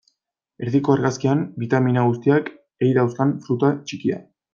Erdiko argazkian, bitamina guztiak ei dauzkan fruta txikia.